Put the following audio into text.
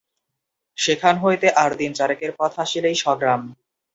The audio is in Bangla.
সেখান হইতে আর দিন-চারেকের পথ আসিলেই স্বগ্রাম।